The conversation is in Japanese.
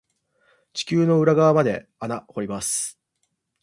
地球の裏側まで穴掘ります。